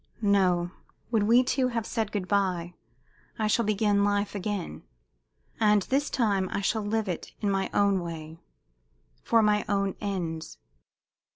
No; when we two have said good bye, I shall begin life again. And this time I shall live it in my own way, for my own ends.